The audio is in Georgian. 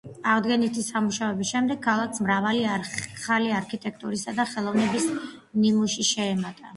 აღდგენითი სამუშაოების შემდეგ, ქალაქს მრავალი ახალი არქიტექტურისა და ხელოვნების ნიმუში შეემატა.